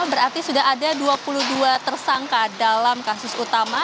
berarti sudah ada dua puluh dua tersangka dalam kasus utama